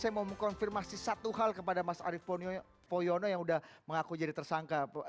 saya mau mengkonfirmasi satu hal kepada mas arief poyono yang sudah mengaku jadi tersangka